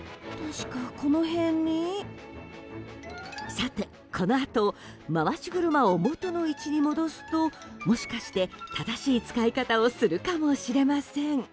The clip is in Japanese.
さて、このあと回し車を元の位置に戻すともしかして、正しい使い方をするかもしれません。